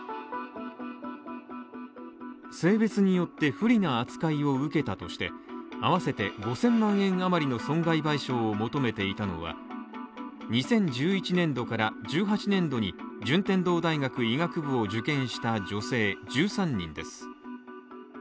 性別によって不利な扱いを受けたとして、合わせて５０００万円余りの損害賠償を求めていたのは、２０１１年度から１８年度に順天堂大学医学部を受験した女性１３人です。